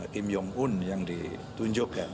kim jong un yang ditunjukkan